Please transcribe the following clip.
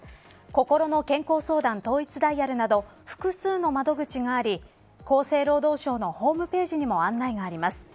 こころの健康相談統一ダイヤルなど複数の窓口があり厚生労働省のホームページにも案内があります。